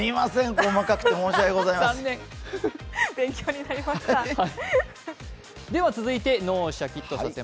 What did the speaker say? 細かくて申し訳ありません。